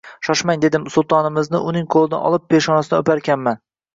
Shoshmang, dedim Sultonimizni uning qo`lidan olib, peshonasidan o`parkanman